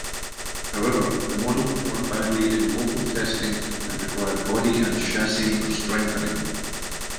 However, the model performed badly in local testing, and required body and chassis strengthening.